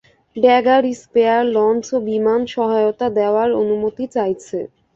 Dagger spear launch ও বিমান সহয়তা দেয়ার অনুমতি চাইছে।